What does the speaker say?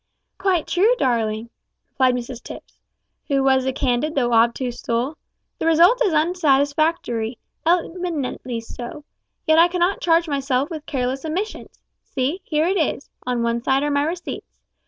"Quite true, darling," replied Mrs Tipps, who was a candid though obtuse soul; "the result is unsatisfactory, eminently so; yet I cannot charge myself with careless omissions. See here it is; on one side are my receipts.